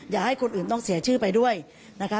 อย่าให้คนอื่นต้องเสียชื่อไปด้วยนะคะ